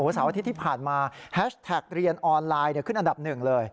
เสาร์อาทิตย์ที่ผ่านมาแฮชแท็กเรียนออนไลน์ขึ้นอันดับหนึ่งเลย